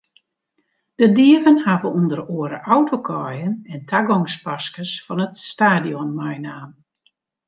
De dieven hawwe ûnder oare autokaaien en tagongspaskes fan it stadion meinaam.